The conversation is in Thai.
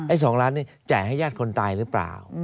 ๒ล้านนี่จ่ายให้ญาติคนตายหรือเปล่า